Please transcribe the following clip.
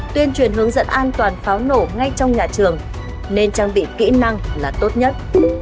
tuyên truyền hướng dẫn an toàn pháo nổ ngay trong nhà trường nên trang bị kỹ năng là tốt nhất